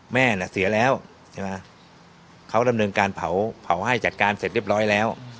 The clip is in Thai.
แม่น่ะเสียแล้วใช่ไหมเขาดำเนินการเผาให้จัดการเสร็จเรียบร้อยแล้ว